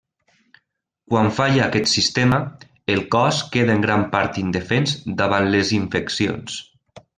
Quan falla aquest sistema, el cos queda en gran part indefens davant les infeccions.